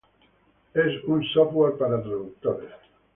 Es un software para traductores.